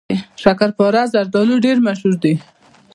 شکرپاره زردالو ډیر مشهور دي.